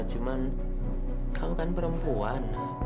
cuma kamu kan perempuan